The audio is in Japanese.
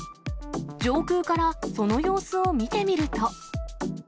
上空からその様子を見てみると。